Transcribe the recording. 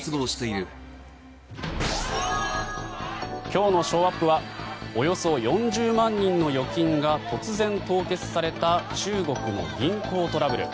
今日のショーアップはおよそ４０万人の預金が突然、凍結された中国の銀行トラブル。